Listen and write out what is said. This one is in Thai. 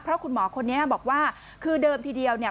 เพราะคุณหมอคนนี้บอกว่าคือเดิมทีเดียวเนี่ย